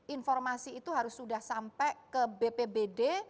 informasi itu harus sudah sampai ke bpbd